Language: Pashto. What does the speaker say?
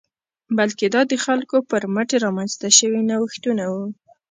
بلکې دا د خلکو پر مټ رامنځته شوي نوښتونه وو